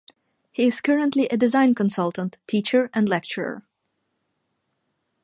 He is currently a design consultant, teacher and lecturer.